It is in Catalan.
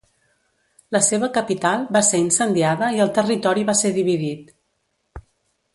La seva capital va ser incendiada i el territori va ser dividit.